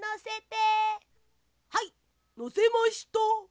はいのせました！